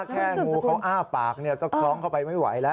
งูเขาอ้าปากก็คล้องเข้าไปไม่ไหวแล้ว